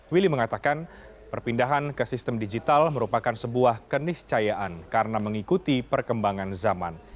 willy mengatakan perpindahan ke sistem digital merupakan sebuah keniscayaan karena mengikuti perkembangan zaman